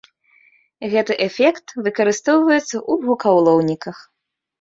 Гэты эфект выкарыстоўваецца ў гукаўлоўніках.